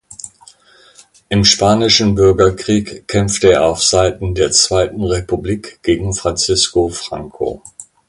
Im spanischen Bürgerkrieg kämpfte er auf Seiten der zweiten Republik gegen Francisco Franco.